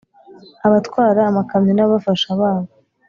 abatwara amakamyo n’ababafasha babo